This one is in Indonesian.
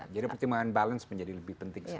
jadi pertimbangan balance menjadi lebih penting